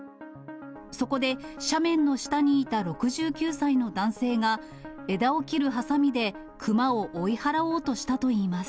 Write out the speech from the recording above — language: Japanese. そこで斜面の下にいた６９歳の男性が、枝を切るはさみで熊を追い払おうとしたといいます。